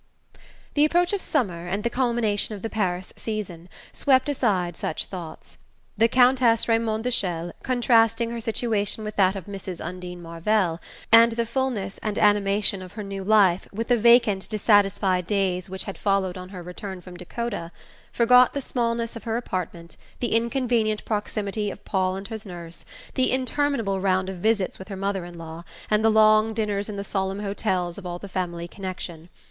The approach of summer, and the culmination of the Paris season, swept aside such thoughts. The Countess Raymond de Chelles, contrasting her situation with that of Mrs. Undine Marvell, and the fulness and animation of her new life with the vacant dissatisfied days which had followed on her return from Dakota, forgot the smallness of her apartment, the inconvenient proximity of Paul and his nurse, the interminable round of visits with her mother in law, and the long dinners in the solemn hotels of all the family connection.